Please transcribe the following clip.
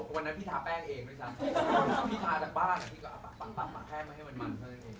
กันน้ำก็ไม่ช่วยแล้วใช่มั้ยค่ะน้ำหัวไปน้ำเหยื่อน